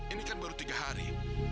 ini kan baru tiga hari